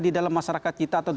di dalam masyarakat kita